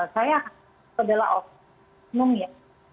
saya adalah ofenum ya